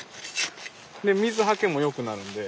水はけもよくなるんで。